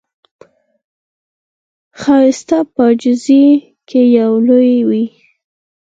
ښایست په عاجزۍ کې لوی وي